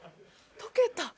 溶けた？